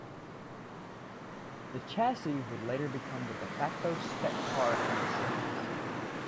This chassis would later become the "de facto" "spec car" in the series.